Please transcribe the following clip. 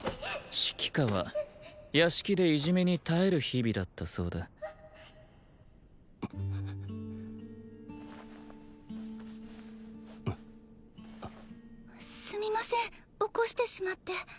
紫季歌は屋敷でいじめに耐える日々だったそうだ。っ！すみません起こしてしまって。